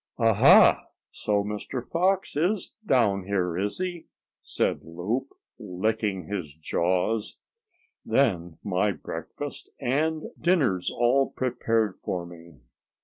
"Ah! Ha! So Mr. Fox is down here, is he?" said Loup, licking his jaws. "Then my breakfast and dinner's all prepared for me."